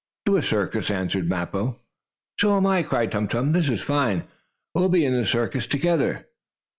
"To a circus," answered Mappo. "So am I!" cried Tum Tum. "This is fine! We'll be in the circus together!"